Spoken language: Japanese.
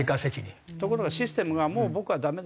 ところがシステムが「もう僕はダメだよ」。